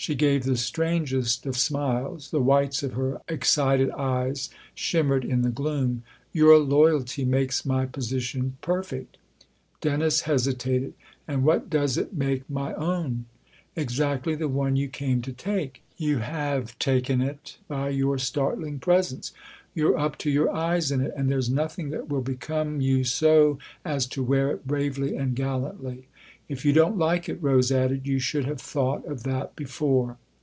She gave the strangest of smiles ; the whites of her excited eyes shimmered in the gloom. " Your loyalty makes my position perfect." Dennis hesitated. " And what does it make my own ?"" Exactly the one you came to take. You have taken it by your startling presence ; you're up to your eyes in it, and there's nothing that will become you so as to wear it bravely and gallantly. If you don't like it," Rose added, "you should have thought of that before